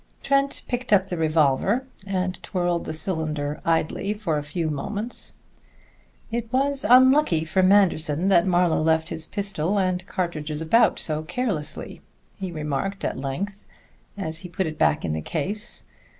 Trent picked up the revolver and twirled the cylinder idly for a few moments. "It was unlucky for Manderson that Marlowe left his pistol and cartridges about so carelessly," he remarked at length, as he put it back in the case.